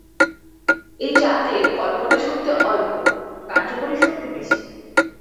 এই জাতির কল্পনাশক্তি অল্প, কার্যকরী শক্তি বেশী।